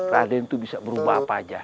raden itu bisa berubah apa aja